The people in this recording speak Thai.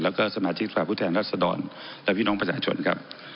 แล้วก็สมาชิกสภาพผู้แทนรัศดรและพี่น้องประชาชนครับ